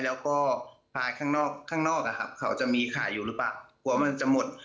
แล้วก็พาข้างนอกเขาจะมีขายอยู่หรือเปล่ากลัวมันจะหมด